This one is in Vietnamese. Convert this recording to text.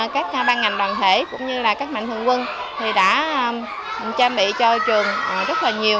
các ban ngành đoàn thể cũng như là các mạnh thường quân thì đã trang bị cho trường rất là nhiều